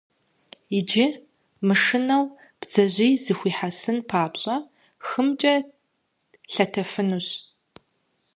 Иджы, мышынэу, бдзэжьей зыхуихьэсын папщӀэ, хымкӀэ лъэтэфынущ.